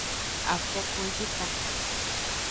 Afokonjika.